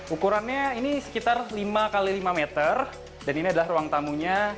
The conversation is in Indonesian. ukurannya ini sekitar lima x lima meter dan ini adalah ruang tamunya